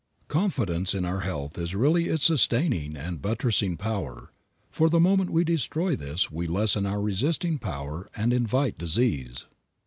Confidence in our health is really its sustaining and buttressing power, for the moment we destroy this we lessen our resisting power and invite disease.